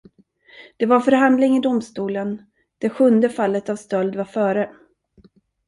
Det var förhandling i domstolen, det sjunde fallet av stöld var före.